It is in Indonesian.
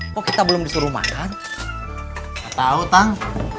kok kita belum disuruh makan atau kang